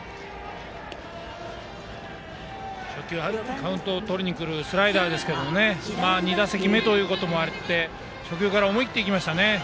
カウントをとりにくるスライダーですが２打席目ということもあって初球から思い切っていきましたね。